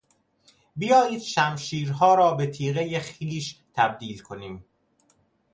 بیایید شمشیرها را به تیغهی خیش تبدیل کنیم.